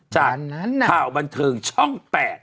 จากข่าวบันเทิงช่อง๘